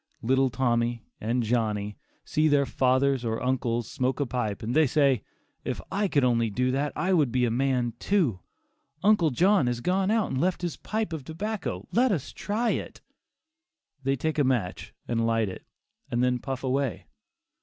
Little Tommy and Johnny see their fathers or uncles smoke a pipe and they say, "If I could only do that I would be a man too; uncle John has gone out and left his pipe of tobacco, let us try it." They take a match and light it, and then puff away.